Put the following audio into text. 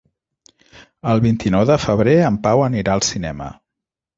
El vint-i-nou de febrer en Pau anirà al cinema.